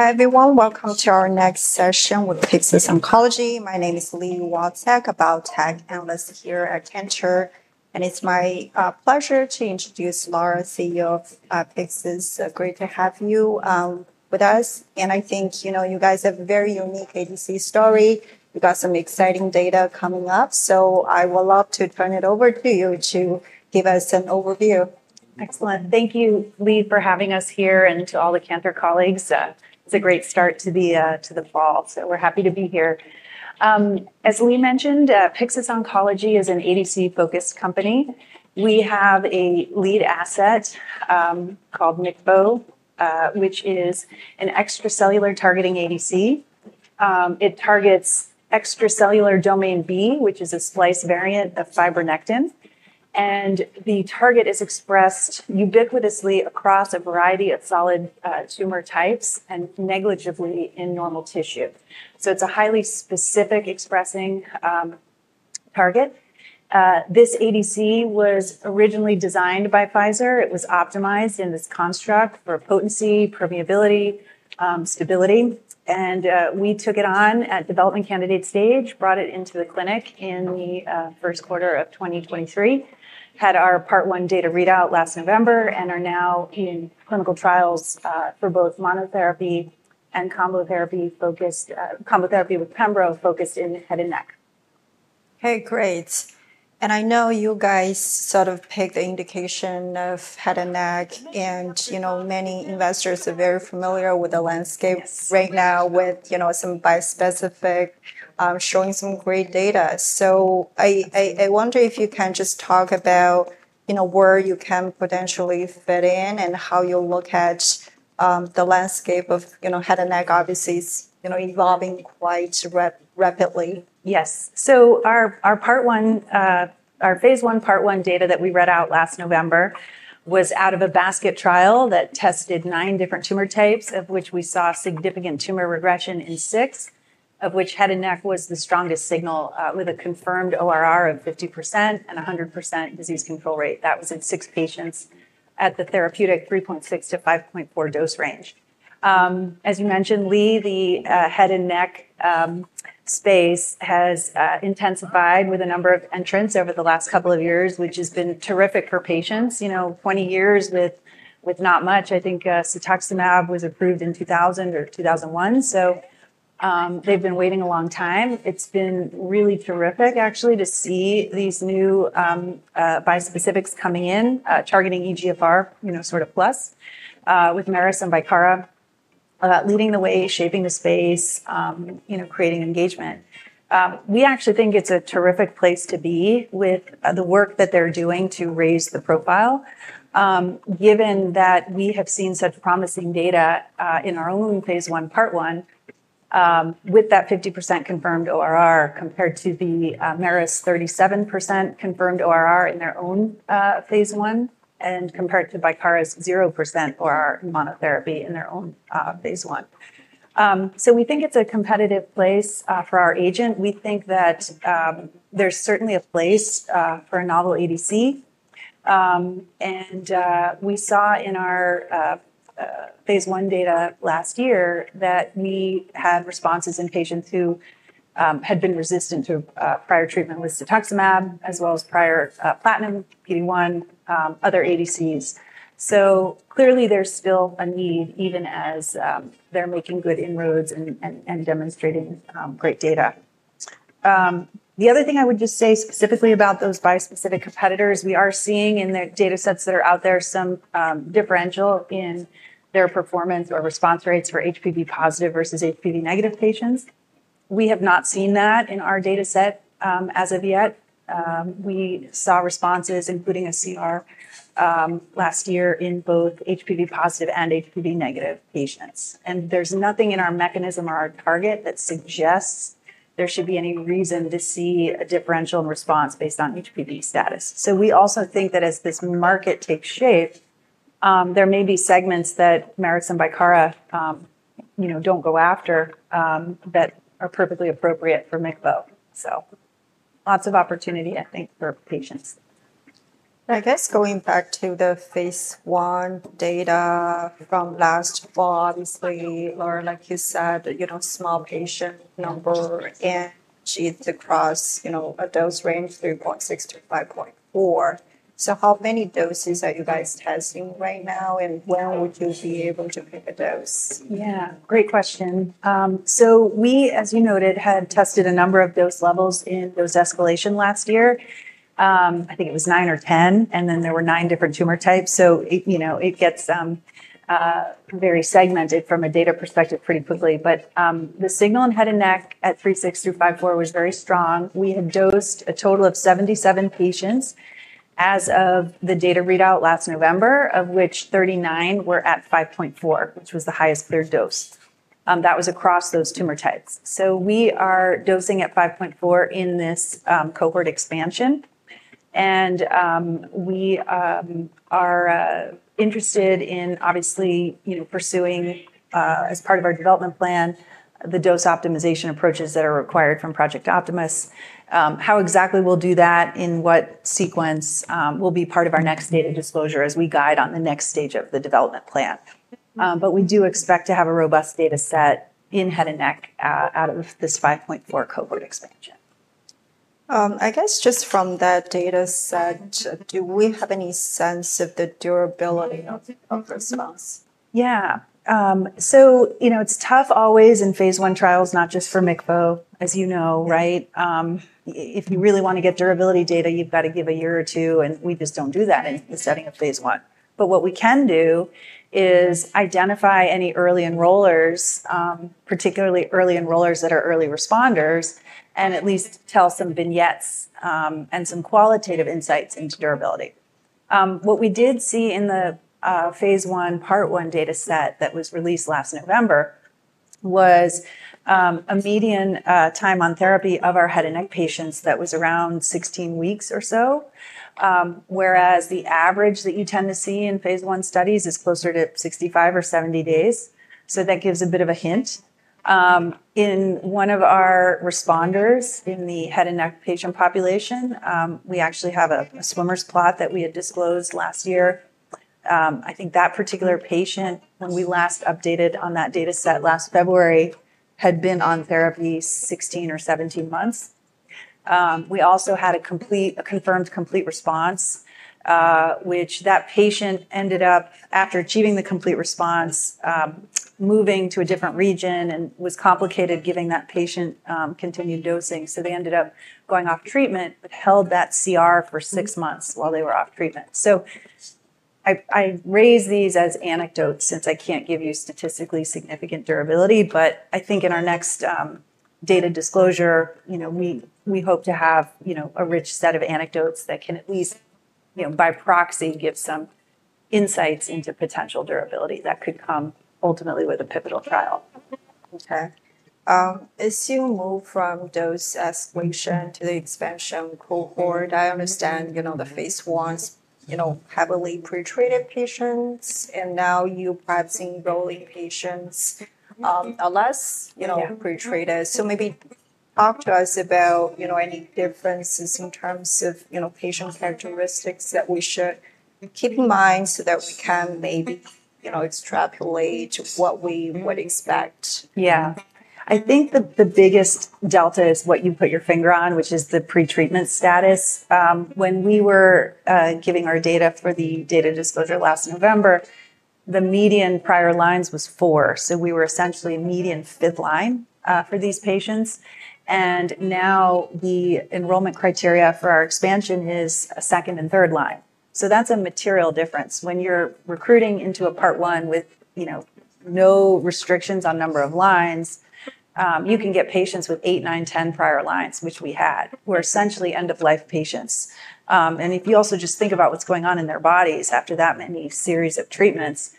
Hi, everyone. Welcome to our next session with Pyxis Oncology. My name is Li Watsek, a biotech analyst here at Cantor Fitzgerald, and it's my pleasure to introduce Lara, CEO of Pyxis. Great to have you with us. And I think you know you guys have a very unique ADC story. We've got some exciting data coming up, so I would love to turn it over to you to give us an overview. Excellent. Thank you, Li, for having us here, and to all the Cantor colleagues. It's a great start to the fall, so we're happy to be here. As Li mentioned, Pyxis Oncology is an ADC-focused company. We have a lead asset called MICVO, which is an extracellular targeting ADC. It targets extracellular domain B, which is a splice variant of fibronectin, and the target is expressed ubiquitously across a variety of solid tumor types and negligibly in normal tissue, so it's a highly specific expressing target. This ADC was originally designed by Pfizer. It was optimized in this construct for potency, permeability, stability, and we took it on at development candidate stage, brought it into the clinic in the first quarter of 2023, had our part one data readout last November, and are now in clinical trials for both monotherapy and combo therapy with Pembro, focused in head and neck. Hey, great. And I know you guys sort of picked the indication of head and neck, and many investors are very familiar with the landscape right now with some bispecific showing some great data. So I wonder if you can just talk about where you can potentially fit in and how you look at the landscape of head and neck, obviously, is evolving quite rapidly. Yes. So our phase I part one data that we read out last November was out of a basket trial that tested nine different tumor types, of which we saw significant tumor regression in six, of which head and neck was the strongest signal with a confirmed ORR of 50% and 100% disease control rate. That was in six patients at the therapeutic 3.6-5.4 dose range. As you mentioned, Li, the head and neck space has intensified with a number of entrants over the last couple of years, which has been terrific for patients. 20 years with not much. I think Cetuximab was approved in 2000 or 2001, so they've been waiting a long time. It's been really terrific, actually, to see these new bispecifics coming in, targeting EGFR sort of plus with Merus and Bicara leading the way, shaping the space, creating engagement. We actually think it's a terrific place to be with the work that they're doing to raise the profile, given that we have seen such promising data in our own phase I part one with that 50% confirmed ORR compared to the Merus 37% confirmed ORR in their own phase I and compared to Bicara's 0% ORR monotherapy in their own phase I. So we think it's a competitive place for our agent. We think that there's certainly a place for a novel ADC. And we saw in our phase I data last year that we had responses in patients who had been resistant to prior treatment with Cetuximab, as well as prior platinum, PD-1, other ADCs. So clearly, there's still a need, even as they're making good inroads and demonstrating great data. The other thing I would just say specifically about those bispecific competitors, we are seeing in the data sets that are out there some differential in their performance or response rates for HPV positive versus HPV negative patients. We have not seen that in our data set as of yet. We saw responses, including a CR, last year in both HPV positive and HPV negative patients. And there's nothing in our mechanism or our target that suggests there should be any reason to see a differential in response based on HPV status. So we also think that as this market takes shape, there may be segments that Merus and Bicara don't go after that are perfectly appropriate for MICVO. So lots of opportunity, I think, for patients. I guess going back to the phase I data from last fall, obviously, Lara, like you said, small patient numbers and sites across a dose range 3.6-5.4. So how many doses are you guys testing right now, and when would you be able to pick a dose? Yeah, great question. So we, as you noted, had tested a number of dose levels in dose escalation last year. I think it was nine or 10, and then there were nine different tumor types. So it gets very segmented from a data perspective pretty quickly. But the signal in head and neck at 3.6 through 5.4 was very strong. We had dosed a total of 77 patients as of the data readout last November, of which 39 were at 5.4, which was the highest clear dose. That was across those tumor types. So we are dosing at 5.4 in this cohort expansion. And we are interested in, obviously, pursuing, as part of our development plan, the dose optimization approaches that are required from Project Optimus. How exactly we'll do that, in what sequence, will be part of our next data disclosure as we guide on the next stage of the development plan, but we do expect to have a robust data set in head and neck out of this 5.4 cohort expansion. I guess just from that data set, do we have any sense of the durability of response? Yeah. So it's tough always in phase I trials, not just for MICVO, as you know, right? If you really want to get durability data, you've got to give a year or two, and we just don't do that in the setting of phase I. But what we can do is identify any early enrollers, particularly early enrollers that are early responders, and at least tell some vignettes and some qualitative insights into durability. What we did see in the phase I part one data set that was released last November was a median time on therapy of our head and neck patients that was around 16 weeks or so, whereas the average that you tend to see in phase I studies is closer to 65 or 70 days. So that gives a bit of a hint. In one of our responders in the head and neck patient population, we actually have a swimmer plot that we had disclosed last year. I think that particular patient, when we last updated on that data set last February, had been on therapy 16 or 17 months. We also had a confirmed complete response, which that patient ended up, after achieving the complete response, moving to a different region and it was complicated giving that patient continued dosing so they ended up going off treatment, but held that CR for six months while they were off treatment so I raise these as anecdotes since I can't give you statistically significant durability but I think in our next data disclosure, we hope to have a rich set of anecdotes that can at least, by proxy, give some insights into potential durability that could come ultimately with a pivotal trial. Okay. As you move from dose escalation to the expansion cohort, I understand the phase I heavily pretreated patients, and now you're perhaps enrolling patients less pretreated. So maybe talk to us about any differences in terms of patient characteristics that we should keep in mind so that we can maybe extrapolate what we would expect. Yeah. I think the biggest delta is what you put your finger on, which is the pretreatment status. When we were giving our data for the data disclosure last November, the median prior lines was four. So we were essentially median fifth line for these patients. And now the enrollment criteria for our expansion is second and third line. So that's a material difference. When you're recruiting into a part one with no restrictions on number of lines, you can get patients with 8, 9, 10 prior lines, which we had, who are essentially end-of-life patients. And if you also just think about what's going on in their bodies after that many series of treatments,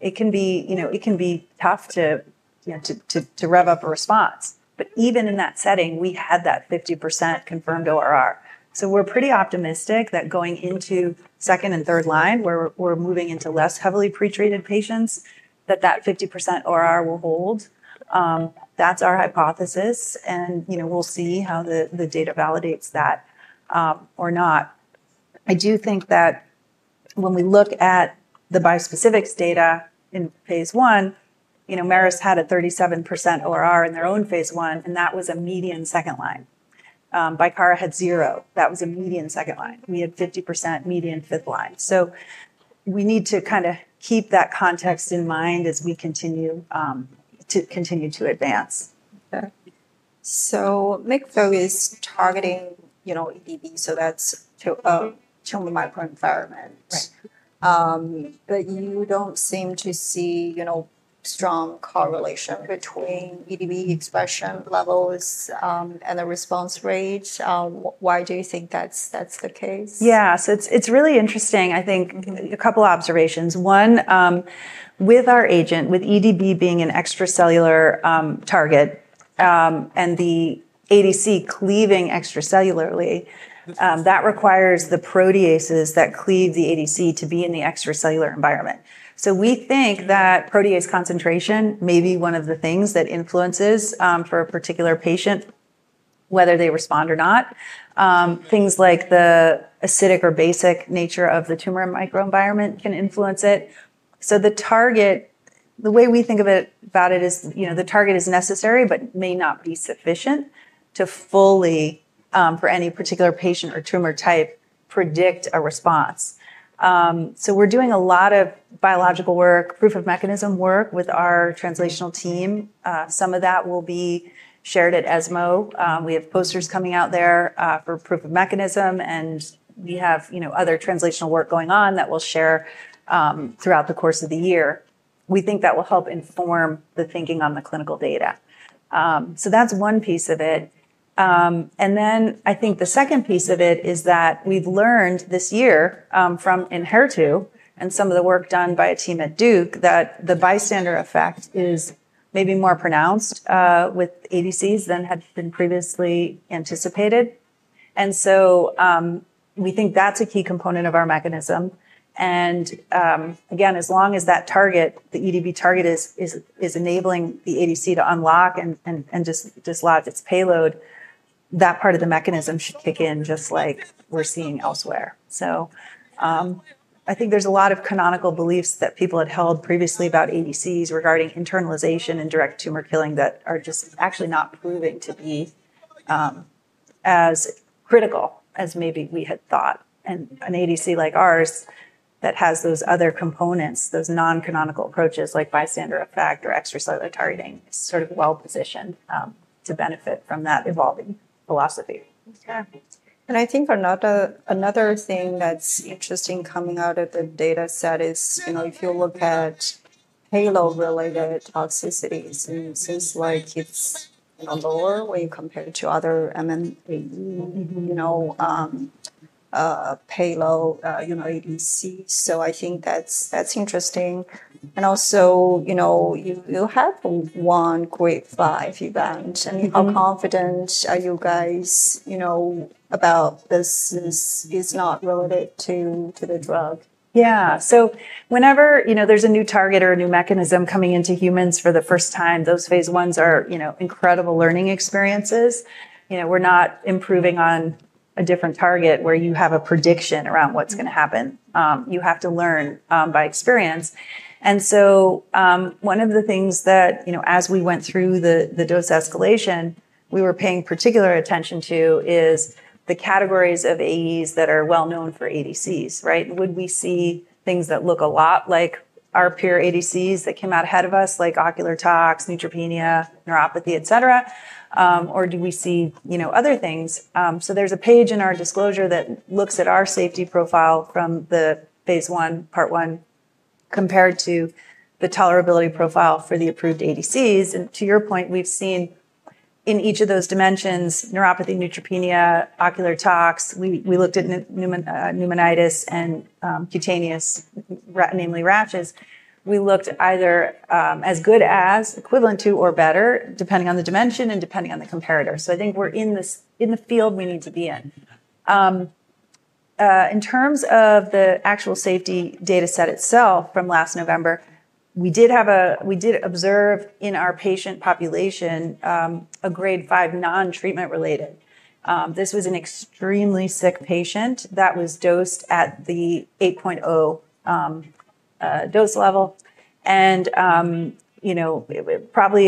it can be tough to rev up a response. But even in that setting, we had that 50% confirmed ORR. So we're pretty optimistic that going into second and third line, where we're moving into less heavily pretreated patients, that that 50% ORR will hold. That's our hypothesis, and we'll see how the data validates that or not. I do think that when we look at the bispecifics data in phase I, Merus had a 37% ORR in their own phase I, and that was a median second line. Bicara had zero. That was a median second line. We had 50% median fifth line. So we need to kind of keep that context in mind as we continue to advance. Okay, so MICVO is targeting EDB, so that's tumor microenvironments. But you don't seem to see strong correlation between EDB expression levels and the response rate. Why do you think that's the case? Yeah. So it's really interesting. I think a couple of observations. One, with our agent, with EDB being an extracellular target and the ADC cleaving extracellularly, that requires the proteases that cleave the ADC to be in the extracellular environment. So we think that protease concentration may be one of the things that influences for a particular patient, whether they respond or not. Things like the acidic or basic nature of the tumor microenvironment can influence it. So the target, the way we think about it is the target is necessary, but may not be sufficient to fully, for any particular patient or tumor type, predict a response. So we're doing a lot of biological work, proof of mechanism work with our translational team. Some of that will be shared at ESMO. We have posters coming out there for proof of mechanism, and we have other translational work going on that we'll share throughout the course of the year. We think that will help inform the thinking on the clinical data. So that's one piece of it. And then I think the second piece of it is that we've learned this year from Enhertu and some of the work done by a team at Duke that the bystander effect is maybe more pronounced with ADCs than had been previously anticipated. And so we think that's a key component of our mechanism. And again, as long as that target, the EDB target, is enabling the ADC to unlock and dislodge its payload, that part of the mechanism should kick in just like we're seeing elsewhere. So I think there's a lot of canonical beliefs that people had held previously about ADCs regarding internalization and direct tumor killing that are just actually not proving to be as critical as maybe we had thought. And an ADC like ours that has those other components, those non-canonical approaches like bystander effect or extracellular targeting, is sort of well-positioned to benefit from that evolving philosophy. Okay. And I think another thing that's interesting coming out of the data set is if you look at payload-related toxicities, it seems like it's lower when you compare to other MMAE payload ADCs. So I think that's interesting. And also, you have one Grade five event. I mean, how confident are you guys about this is not related to the drug? Yeah. So whenever there's a new target or a new mechanism coming into humans for the first time, those phase I are incredible learning experiences. We're not improving on a different target where you have a prediction around what's going to happen. You have to learn by experience. And so one of the things that, as we went through the dose escalation, we were paying particular attention to is the categories of AEs that are well-known for ADCs, right? Would we see things that look a lot like our pure ADCs that came out ahead of us, like ocular tox, neutropenia, neuropathy, et cetera? Or do we see other things? So there's a page in our disclosure that looks at our safety profile from the phase I part one compared to the tolerability profile for the approved ADCs. To your point, we've seen in each of those dimensions, neuropathy, neutropenia, ocular tox. We looked at pneumonitis and cutaneous, namely rashes. We looked either as good as, equivalent to, or better, depending on the dimension and depending on the comparator. I think we're in the field we need to be in. In terms of the actual safety data set itself from last November, we did observe in our patient population a grade five non-treatment-related. This was an extremely sick patient that was dosed at the 8.0 dose level. Probably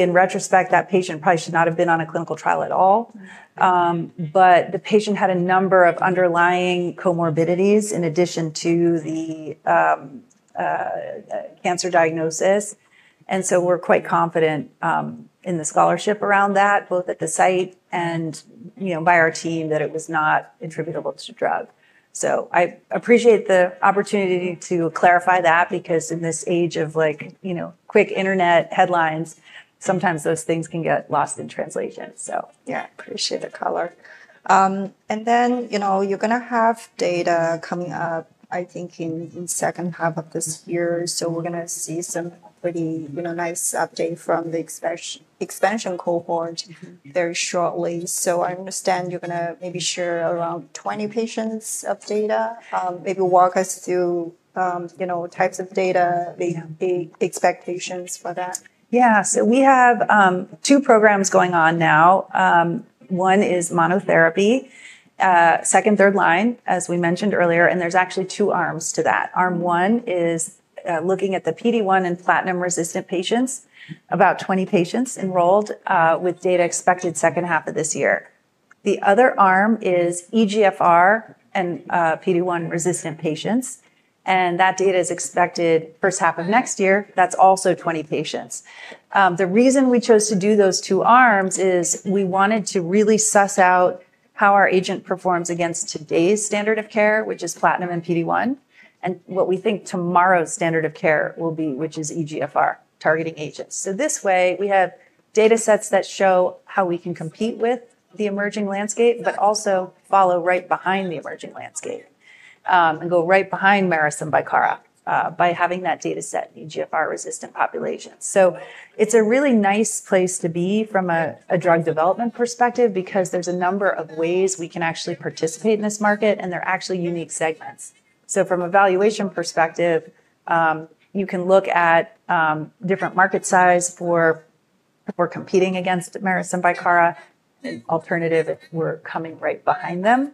in retrospect, that patient probably should not have been on a clinical trial at all. The patient had a number of underlying comorbidities in addition to the cancer diagnosis. So we're quite confident in the scrutiny around that, both at the site and by our team, that it was not attributable to drug. So I appreciate the opportunity to clarify that because in this age of quick internet headlines, sometimes those things can get lost in translation. Yeah, I appreciate the color. And then you're going to have data coming up, I think, in the second half of this year. So we're going to see some pretty nice update from the expansion cohort very shortly. So I understand you're going to maybe share around 20 patients of data. Maybe walk us through types of data, the expectations for that. Yeah, so we have two programs going on now. One is monotherapy, second- and third-line, as we mentioned earlier, and there's actually two arms to that. Arm one is looking at the PD-1- and platinum-resistant patients, about 20 patients enrolled with data expected second half of this year. The other arm is EGFR- and PD-1-resistant patients, and that data is expected first half of next year. That's also 20 patients. The reason we chose to do those two arms is we wanted to really suss out how our agent performs against today's standard of care, which is platinum and PD-1, and what we think tomorrow's standard of care will be, which is EGFR-targeting agents. So this way, we have data sets that show how we can compete with the emerging landscape, but also follow right behind the emerging landscape and go right behind Merus and Bicara by having that data set in EGFR resistant populations. So it's a really nice place to be from a drug development perspective because there's a number of ways we can actually participate in this market, and they're actually unique segments. So from an evaluation perspective, you can look at different market size for competing against Merus and Bicara and alternative if we're coming right behind them.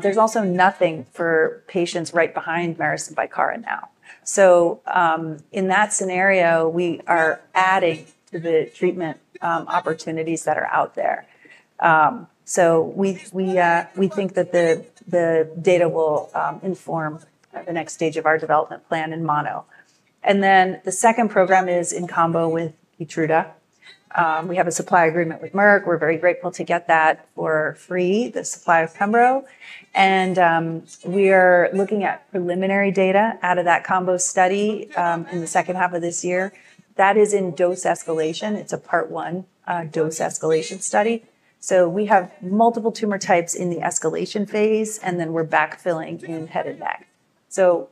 There's also nothing for patients right behind Merus and Bicara now. So in that scenario, we are adding to the treatment opportunities that are out there. So we think that the data will inform the next stage of our development plan in mono. And then the second program is in combo with Keytruda. We have a supply agreement with Merck. We're very grateful to get that for free, the supply of Pembro. And we are looking at preliminary data out of that combo study in the second half of this year. That is in dose escalation. It's a part one dose escalation study. So we have multiple tumor types in the escalation phase, and then we're backfilling in head and neck. So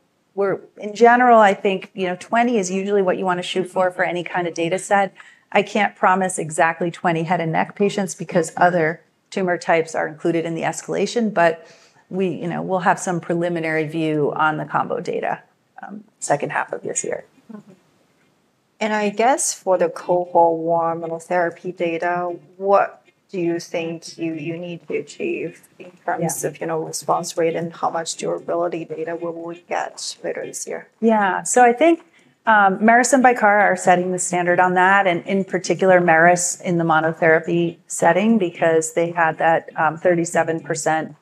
in general, I think 20 is usually what you want to shoot for for any kind of data set. I can't promise exactly 20 head and neck patients because other tumor types are included in the escalation, but we'll have some preliminary view on the combo data second half of this year. I guess for the cohort one monotherapy data, what do you think you need to achieve in terms of response rate and how much durability data will we get later this year? Yeah. So I think Merus and Bicara are setting the standard on that, and in particular, Merus in the monotherapy setting because they had that 37%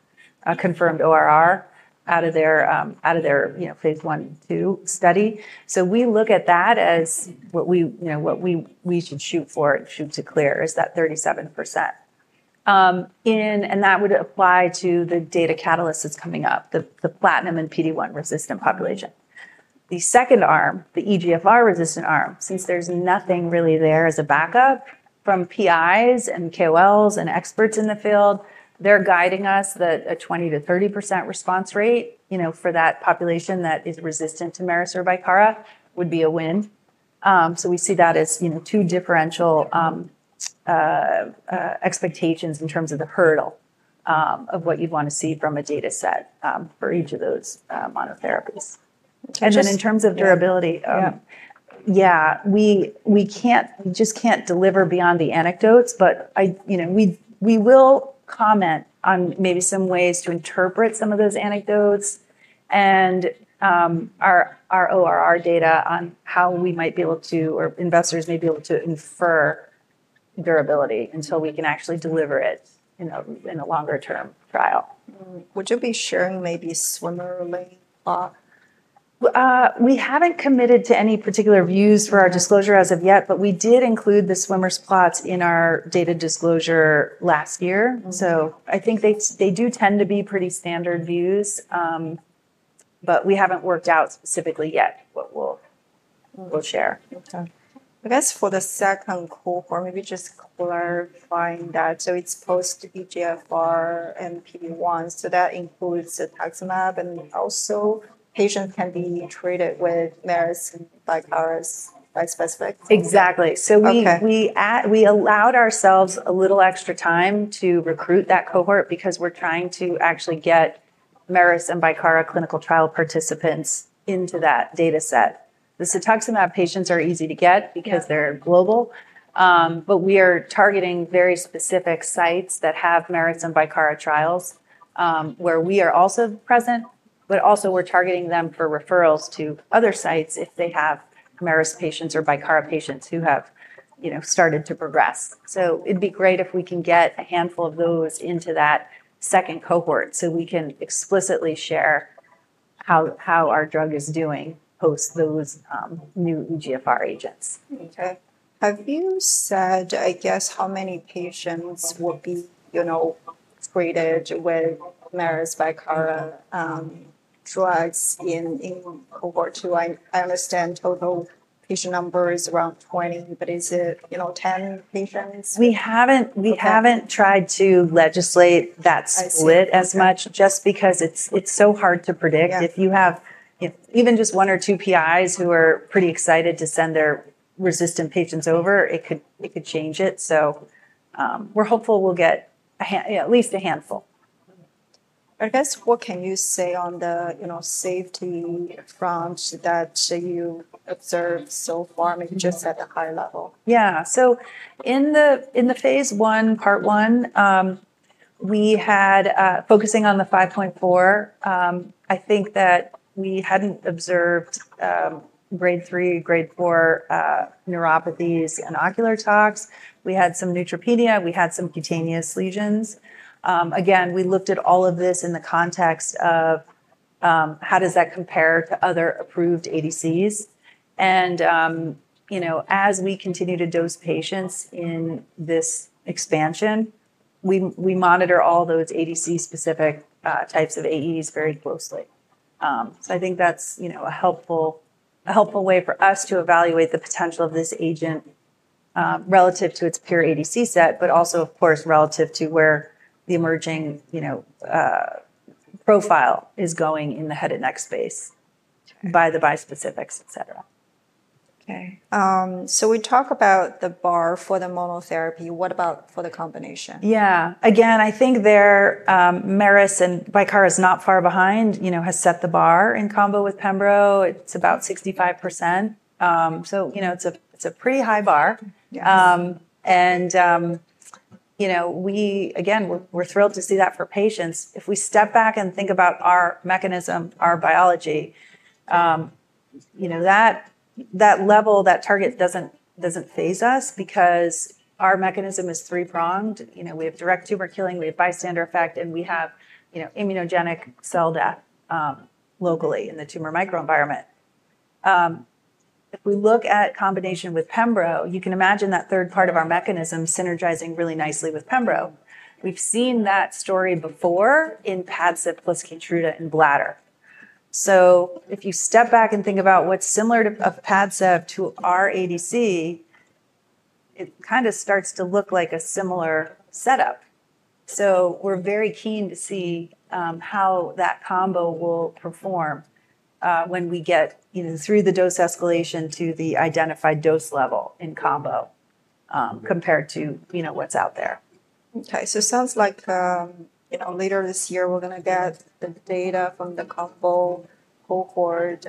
confirmed ORR out of their phase I-II study. So we look at that as what we should shoot for and shoot to clear is that 37%. And that would apply to the data catalyst that's coming up, the platinum- and PD-1-resistant population. The second arm, the EGFR-resistant arm, since there's nothing really there as a backup from PIs and KOLs and experts in the field, they're guiding us that a 20%-30% response rate for that population that is resistant to Merus or Bicara would be a win. So we see that as two differential expectations in terms of the hurdle of what you'd want to see from a data set for each of those monotherapies. And then, in terms of durability, yeah, we just can't deliver beyond the anecdotes, but we will comment on maybe some ways to interpret some of those anecdotes and our ORR data on how we might be able to, or investors may be able to, infer durability until we can actually deliver it in a longer-term trial. Would you be sharing maybe swimmer plot? We haven't committed to any particular views for our disclosure as of yet, but we did include the swimmer plots in our data disclosure last year. So I think they do tend to be pretty standard views, but we haven't worked out specifically yet what we'll share. Okay. I guess for the second cohort, maybe just clarifying that. So it's supposed to be EGFR and PD-1. So that includes the Cetuximab, and also patients can be treated with Merus and Bicara's bispecific. Exactly. So we allowed ourselves a little extra time to recruit that cohort because we're trying to actually get Merus and Bicara clinical trial participants into that data set. The Cetuximab patients are easy to get because they're global, but we are targeting very specific sites that have Merus and Bicara trials where we are also present, but also we're targeting them for referrals to other sites if they have Merus patients or Bicara patients who have started to progress. So it'd be great if we can get a handful of those into that second cohort so we can explicitly share how our drug is doing post those new EGFR agents. Okay. Have you said, I guess, how many patients will be treated with Merus and Bicara drugs in cohort two? I understand total patient number is around 20, but is it 10 patients? We haven't tried to legislate that split as much just because it's so hard to predict. If you have even just one or two PIs who are pretty excited to send their resistant patients over, it could change it. So we're hopeful we'll get at least a handful. I guess, what can you say on the safety front that you observed so far, maybe just at the high level? Yeah. So in the phase I part one, we had focusing on the 5.4. I think that we hadn't observed grade three, grade four neuropathies and ocular tox. We had some neutropenia. We had some cutaneous lesions. Again, we looked at all of this in the context of how does that compare to other approved ADCs. And as we continue to dose patients in this expansion, we monitor all those ADC-specific types of AEs very closely. So I think that's a helpful way for us to evaluate the potential of this agent relative to its pure ADC set, but also, of course, relative to where the emerging profile is going in the head and neck space by the bispecifics, et cetera. Okay, so we talk about the bar for the monotherapy. What about for the combination? Yeah. Again, I think there, Merus and Bicara is not far behind, has set the bar in combo with Pembro. It's about 65%. So it's a pretty high bar. And again, we're thrilled to see that for patients. If we step back and think about our mechanism, our biology, that level, that target doesn't faze us because our mechanism is three-pronged. We have direct tumor killing. We have bystander effect, and we have immunogenic cell death locally in the tumor microenvironment. If we look at combination with Pembro, you can imagine that third part of our mechanism synergizing really nicely with Pembro. We've seen that story before in Padcev plus Keytruda in bladder. So if you step back and think about what's similar to Padcev to our ADC, it kind of starts to look like a similar setup. So we're very keen to see how that combo will perform when we get through the dose escalation to the identified dose level in combo compared to what's out there. Okay. So it sounds like later this year, we're going to get the data from the combo cohort,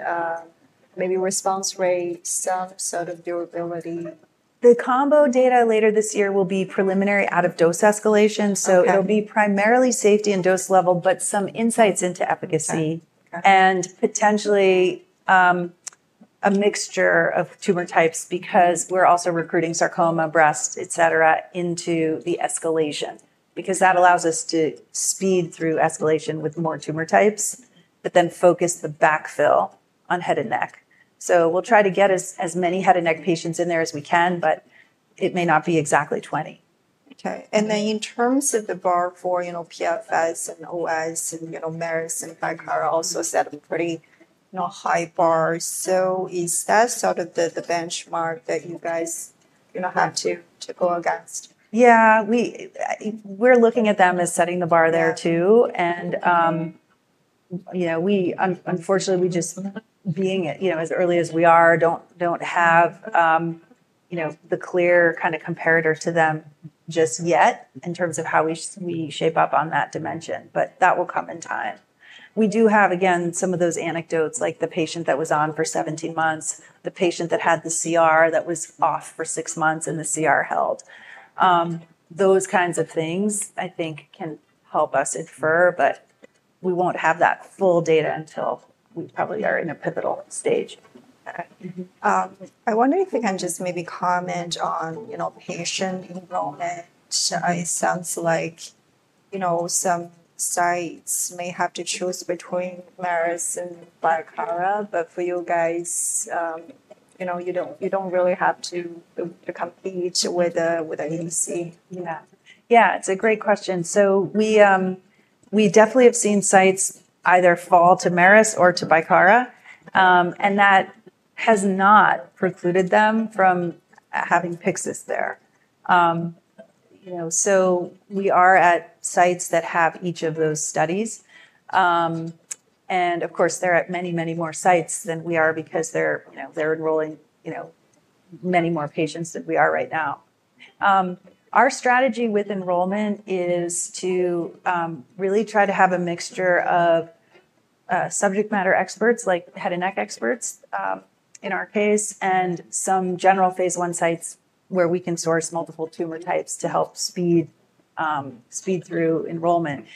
maybe response rate, some sort of durability. The combo data later this year will be preliminary out of dose escalation, so it'll be primarily safety and dose level, but some insights into efficacy and potentially a mixture of tumor types because we're also recruiting sarcoma, breast, et cetera, into the escalation because that allows us to speed through escalation with more tumor types, but then focus the backfill on head and neck, so we'll try to get as many head and neck patients in there as we can, but it may not be exactly 20. Okay. And then in terms of the bar for PFS and OS and Merus and Bicara also set a pretty high bar. So is that sort of the benchmark that you guys have to go against? Yeah. We're looking at them as setting the bar there too, and unfortunately we just being as early as we are don't have the clear kind of comparator to them just yet in terms of how we shape up on that dimension, but that will come in time. We do have, again, some of those anecdotes like the patient that was on for 17 months, the patient that had the CR that was off for six months and the CR held. Those kinds of things, I think, can help us infer, but we won't have that full data until we probably are in a pivotal stage. I wonder if we can just maybe comment on patient enrollment. It sounds like some sites may have to choose between Merus and Bicara, but for you guys, you don't really have to compete with an ADC. Yeah. Yeah. It's a great question. So we definitely have seen sites either fall to Merus or to Bicara and that has not precluded them from having Pyxis there. So we are at sites that have each of those studies. And of course, they're at many, many more sites than we are because they're enrolling many more patients than we are right now. Our strategy with enrollment is to really try to have a mixture of subject matter experts like head and neck experts in our case and some general phase I sites where we can source multiple tumor types to help speed through enrollment.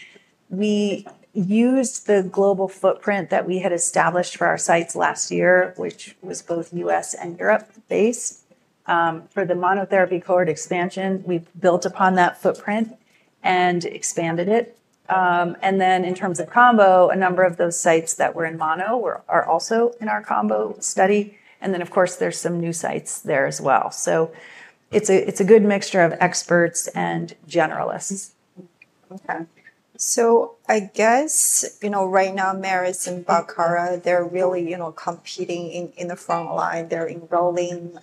We used the global footprint that we had established for our sites last year, which was both U.S. and Europe based. For the monotherapy cohort expansion, we've built upon that footprint and expanded it. And then in terms of combo, a number of those sites that were in mono are also in our combo study. And then, of course, there's some new sites there as well. So it's a good mixture of experts and generalists. Okay. So I guess right now, Merus and Bicara are really competing in the front line. They're enrolling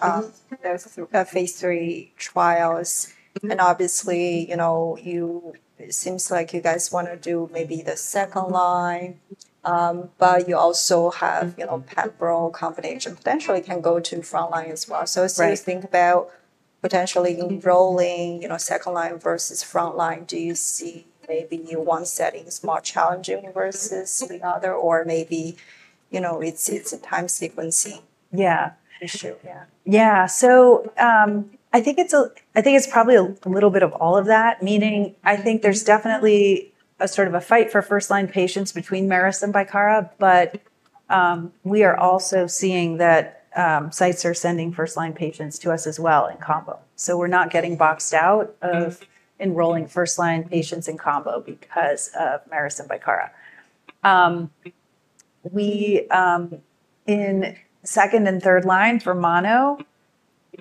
phase III trials. And obviously, it seems like you guys want to do maybe the second line, but you also have Pembro combination potentially can go to front line as well. So as you think about potentially enrolling second line versus front line, do you see maybe one setting is more challenging versus the other or maybe it's a time sequencing issue? Yeah. Yeah. So I think it's probably a little bit of all of that, meaning I think there's definitely a sort of a fight for first-line patients between Merus and Bicara, but we are also seeing that sites are sending first-line patients to us as well in combo. So we're not getting boxed out of enrolling first-line patients in combo because of Merus and Bicara in second and third line for mono.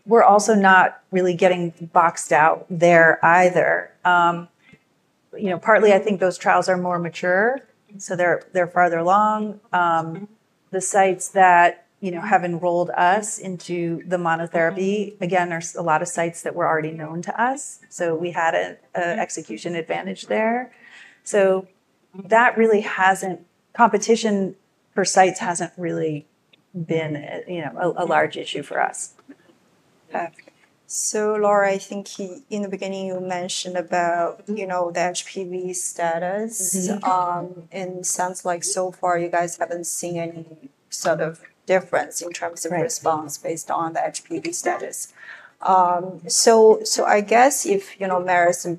We're also not really getting boxed out there either. Partly, I think those trials are more mature. So they're farther along. The sites that have enrolled us into the monotherapy, again, there's a lot of sites that were already known to us. So we had an execution advantage there. So that really hasn't. Competition for sites hasn't really been a large issue for us. Okay. So, Lara, I think in the beginning, you mentioned about the HPV status and it sounds like so far you guys haven't seen any sort of difference in terms of response based on the HPV status. So I guess if Merus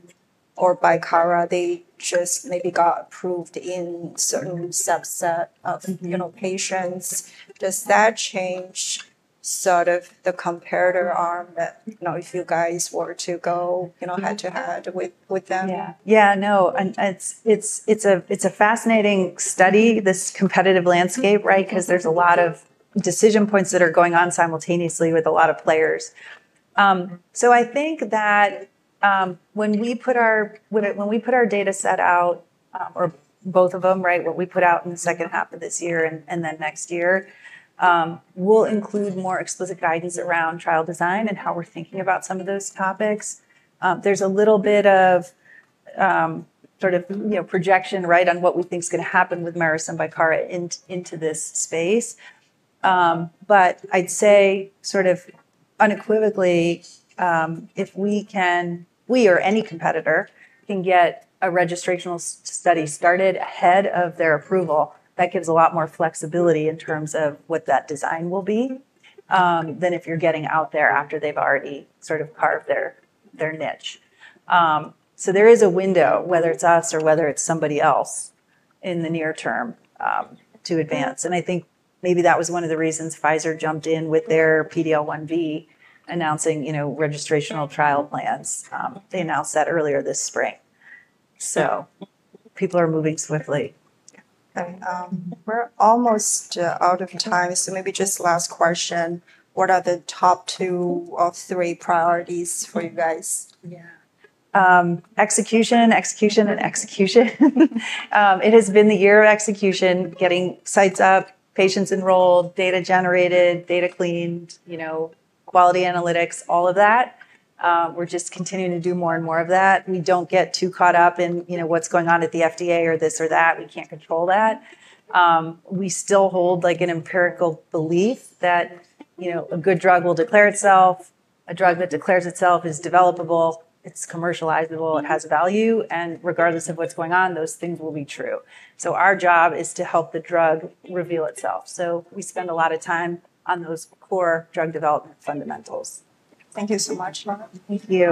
or Bicara they just maybe got approved in certain subset of patients, does that change sort of the comparator arm if you guys were to go head-to-head with them? Yeah. Yeah. No. It's a fascinating study, this competitive landscape, right, because there's a lot of decision points that are going on simultaneously with a lot of players. So I think that when we put our data set out or both of them, right, what we put out in the second half of this year and then next year, we'll include more explicit guidance around trial design and how we're thinking about some of those topics. There's a little bit of sort of projection, right, on what we think is going to happen with Merus and Bicara into this space. But I'd say sort of unequivocally, if we or any competitor can get a registrational study started ahead of their approval, that gives a lot more flexibility in terms of what that design will be than if you're getting out there after they've already sort of carved their niche. So there is a window, whether it's us or whether it's somebody else in the near term to advance. And I think maybe that was one of the reasons Pfizer jumped in with their PD-L1 announcing registrational trial plans. They announced that earlier this spring. So people are moving swiftly. Okay. We're almost out of time. So maybe just last question. What are the top two or three priorities for you guys? Yeah. Execution, execution, and execution. It has been the year of execution, getting sites up, patients enrolled, data generated, data cleaned, quality analytics, all of that. We're just continuing to do more and more of that. We don't get too caught up in what's going on at the FDA or this or that. We can't control that. We still hold an empirical belief that a good drug will declare itself. A drug that declares itself is developable. It's commercializable. It has value. And regardless of what's going on, those things will be true. So our job is to help the drug reveal itself. So we spend a lot of time on those core drug development fundamentals. Thank you so much, Lara. Thank you.